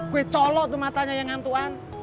kue colok tuh matanya yang ngantuan